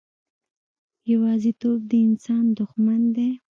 یوازیتوب د انسان دښمن دی.